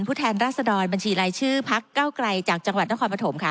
ผู้แทนราชดรบัญชีไรชื่อภักด์เก้าไกรจากจังหวัดนครปฐมคะ